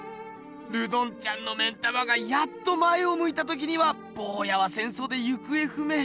ルドンちゃんの目ん玉がやっと前をむいた時にはぼうやは戦争で行方不明。